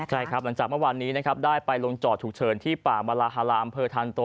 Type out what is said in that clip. ใช่ค่ะหลังจากเมื่อวานนี้ได้ไปลงจอดถูกเฉินที่ป่ามาราฮาราอำเภอทานโต